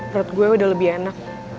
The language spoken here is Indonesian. menurut gue udah lebih enak